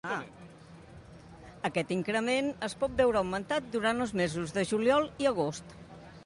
Aquest increment es pot veure augmentat durant els mesos de juliol i agost.